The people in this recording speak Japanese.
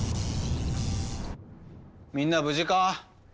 みんな無事か？